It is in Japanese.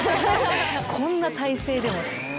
こんな体勢でも。